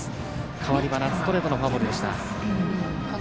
代わり端、ストレートのフォアボールでした。